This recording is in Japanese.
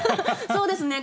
そうですね。